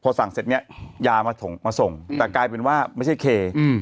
สั่งเสร็จเนี่ยยามาส่งมาส่งแต่กลายเป็นว่าไม่ใช่เคอืม